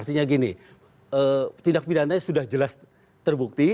tidak pilihannya sudah jelas terbukti